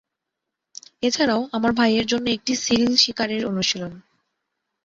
এছাড়াও, আমার ভাইয়ের জন্য একটু সিল শিকারের অনুশীলন।